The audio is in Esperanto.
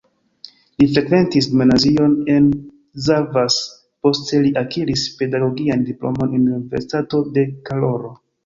Li frekventis gimnazion en Szarvas, poste li akiris pedagogian diplomon en Universitato de Karolo.